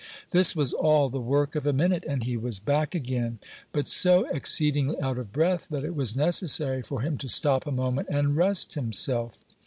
This was all the work of a minute, and he was back again; but so exceedingly out of breath that it was necessary for him to stop a moment and rest himself.